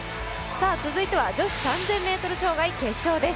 続いては、女子３０００ｍ障害です。